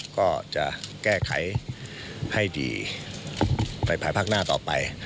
ก็จะแก้ไขให้ดีไปภายภาคหน้าต่อไป